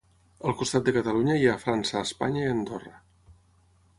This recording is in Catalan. Al costat de Catalunya hi ha França, Espanya i Andorra.